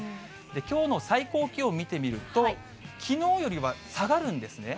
きょうの最高気温見てみると、きのうよりは下がるんですね。